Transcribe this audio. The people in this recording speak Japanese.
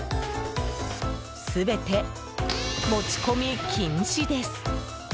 全て持ち込み禁止です。